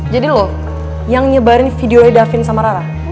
jadi lo yang nyebarin videonya davin sama rara